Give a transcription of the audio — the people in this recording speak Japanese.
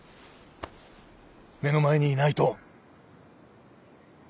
目の前にいないと。